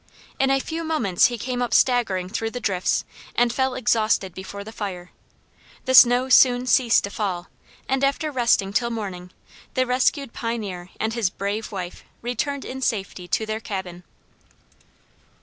In a few moments he came up staggering through the drifts, and fell exhausted before the fire. The snow soon ceased to fall, and after resting till morning, the rescued pioneer and his brave wife returned in safety to their cabin.